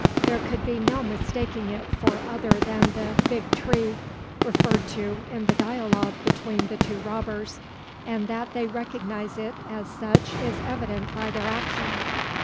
There could be no mistaking it for other than the "big tree," referred to in the dialogue between the two robbers; and that they recognise it as such is evident by their action.